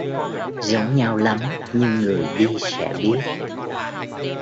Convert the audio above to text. Giống nhau lắm nhưng người đi sẽ biết